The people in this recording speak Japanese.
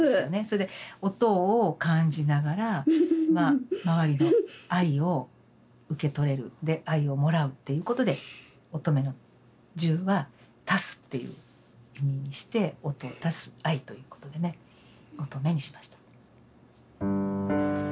それで音を感じながら周りの愛を受け取れるで愛をもらうっていうことで音十愛の「十」は足すっていう意味にして音足す愛ということでね「音十愛」にしました。